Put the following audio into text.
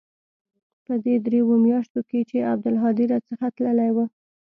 په دې درېو مياشتو کښې چې عبدالهادي را څخه تللى و.